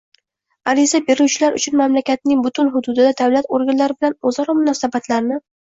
ariza beruvchilar uchun mamlakatning butun hududida davlat organlari bilan o‘zaro munosabatlarni